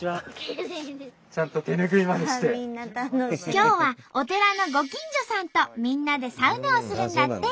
今日はお寺のご近所さんとみんなでサウナをするんだって。